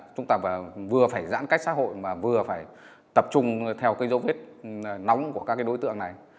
chúng ta vừa phải giãn cách xã hội mà vừa phải tập trung theo cái dấu vết nóng của các cái đối tượng này